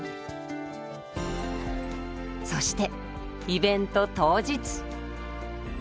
そしてイベント当日。